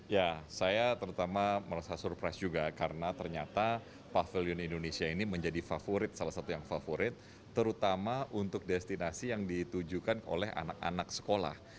ya saya terutama merasa surprise juga karena ternyata pavilion indonesia ini menjadi favorit salah satu yang favorit terutama untuk destinasi yang ditujukan oleh anak anak sekolah